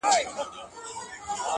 • د بې عقل جواب سکوت دئ -